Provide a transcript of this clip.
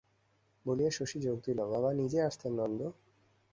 বলিয়া শশী যোগ দিল, বাবা নিজে আসতেন নন্দ।